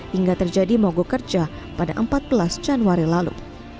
hingga terjadi mogok kerja pada empat belas januari lalu